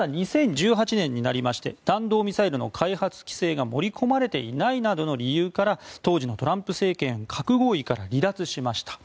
ただ、２０１８年になりまして弾道ミサイルの開発規制が盛り込まれていないなどの理由から当時のトランプ政権は核合意から離脱しました。